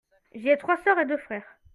J'ai trois sœurs et deux frères.